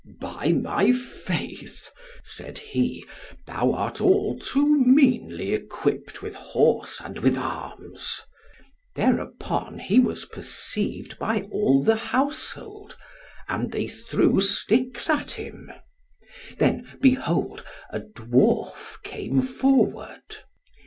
"By my faith," said he, "thou art all too meanly equipped with horse and with arms." Thereupon he was perceived by all the household, and they threw sticks at him. Then, behold, a dwarf came forward.